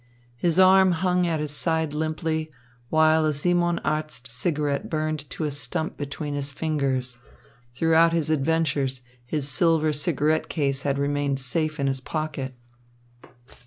His arm hung at his side limply, while a Simon Arzt cigarette burned to a stump between his fingers throughout his adventures, his silver cigarette case had remained safe in his pocket.